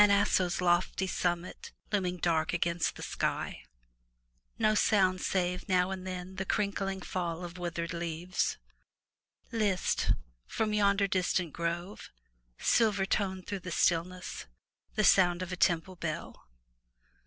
Aso's lofty summit looming dark against the sky, no sound save now and then the crinkling fall of withered leaves. List! from yonder distant grove, silver toned through the stillness, the sound of a temple bell.